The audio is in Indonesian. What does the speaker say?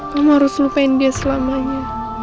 kamu harus ngapain dia selamanya